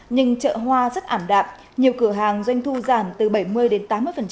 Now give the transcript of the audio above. nhưng chợ hoa rất ảm đạm nhiều cửa hàng doanh thu giảm từ bảy mươi đến tám mươi